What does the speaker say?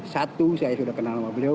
satu saya sudah kenal sama beliau